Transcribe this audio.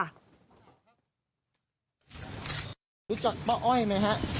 จังหวะนี้แต่ว่าใครน่าจะไปอยู่ไหนอ่ะพี่ตอนนี้